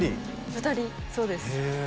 ２人そうですへえ